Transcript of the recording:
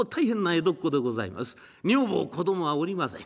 女房子供はおりません。